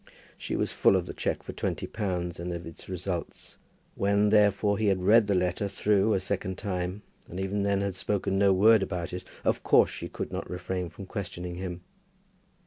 She was full of the cheque for twenty pounds, and of its results. When, therefore, he had read the letter through a second time, and even then had spoken no word about it, of course she could not refrain from questioning him.